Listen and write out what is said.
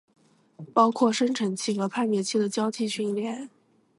包括生成器和判别器的交替训练